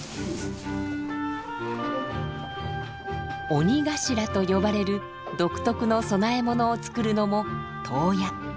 「鬼頭」と呼ばれる独特の供え物を作るのも頭屋。